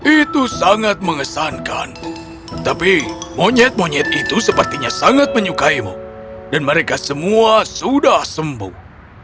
itu sangat mengesankan tapi monyet monyet itu sepertinya sangat menyukaimu dan mereka semua sudah sembuh